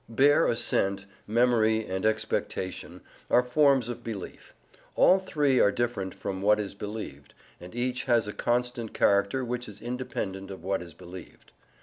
Bare assent, memory and expectation are forms of belief; all three are different from what is believed, and each has a constant character which is independent of what is believed.